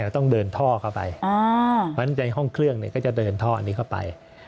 ต้องเดินท่อเข้าไปเพราะฉะนั้นในห้องเครื่องก็จะเดินท่อนี้เข้าไป